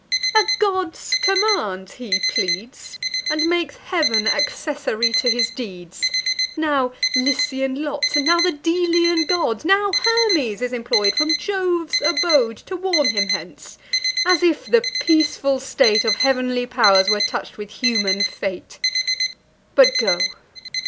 A god's command he pleads, And makes Heav'n accessary to his deeds. Now Lycian lots, and now the Delian god, Now Hermes is employ'd from Jove's abode, To warn him hence; as if the peaceful state Of heav'nly pow'rs were touch'd with human fate! But go!